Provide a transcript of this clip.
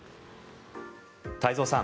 太蔵さん